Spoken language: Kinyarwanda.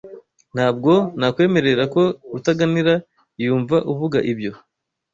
Ntabwo nakwemera ko Rutaganira yumva uvuga ibyo.